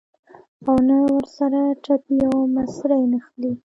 او نه ورسره ټپې او مصرۍ نښلي.